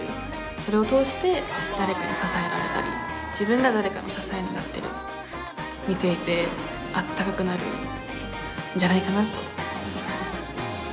それを通して誰かに支えられたり自分が誰かの支えになったり見ていてあったかくなるんじゃないかなと思います。